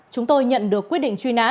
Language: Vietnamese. chúng tôi nhận được quyết định truy nã